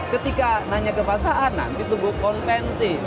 ketika nanya ke pasangan nanti tubuh kompensi